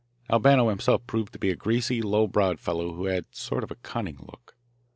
Albano himself proved to be a greasy, low browed fellow who had a sort of cunning look.